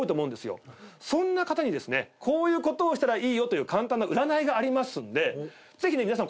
そんな方にですねこういうことをしたらいいという簡単な占いがありますんでぜひね皆さん